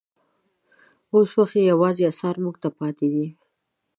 اوس وخت یې یوازې اثار موږ ته پاتې دي.